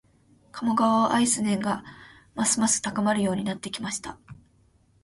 鴨川を愛する念がますます高まるようになってきました